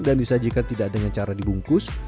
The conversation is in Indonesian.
dan disajikan tidak dengan cara dibungkus